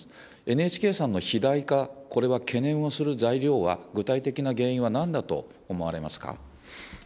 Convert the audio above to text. ＮＨＫさんの肥大化、これは懸念をする材料は、具体的な原因はなんだと思われますか。